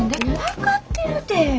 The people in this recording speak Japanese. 分かってるて。